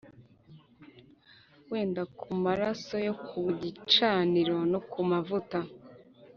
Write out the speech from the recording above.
Wende ku maraso yo ku gicaniro no ku mavuta